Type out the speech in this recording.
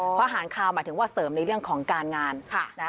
เพราะอาหารคาวหมายถึงว่าเสริมในเรื่องของการงาน